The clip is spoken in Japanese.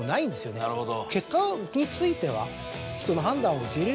なるほどね。